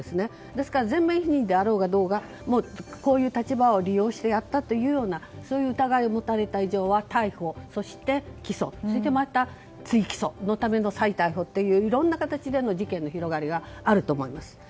ですから全面否認だろうが何だろうがこういう立場でやったというそういう疑いを持たれた以上は逮捕、そして起訴追起訴のための再逮捕といういろんな形での事件の広がりがあると思います。